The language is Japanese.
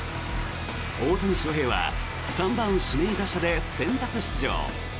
大谷翔平は３番指名打者で先発出場。